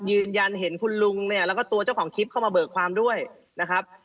ยืนยันเห็นคุณลุงเนี่ยแล้วก็ตัวเจ้าของคลิปเข้ามาเบิกความด้วยนะครับ